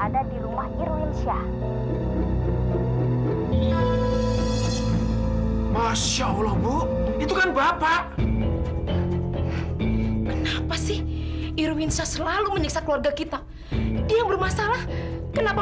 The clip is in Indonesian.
sampai jumpa di video selanjutnya